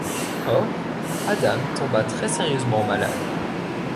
Or, Adam tomba très-sérieusement malade.